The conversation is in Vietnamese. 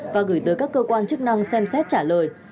và gửi tới các cơ quan chức năng xem xét trả lời